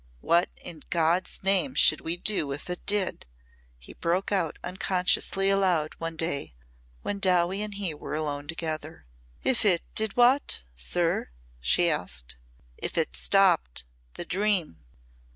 "What in God's name should we do if it did?" he broke out unconsciously aloud one day when Dowie and he were alone together. "If it did what, sir?" she asked. "If it stopped the dream?"